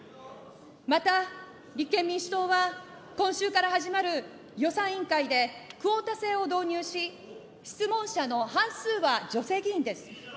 また、立憲民主党は今週から始まる予算委員会でクオータ制を導入し、質問者の半数は女性議員です。